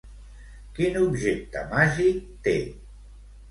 Quin objecte màgic té?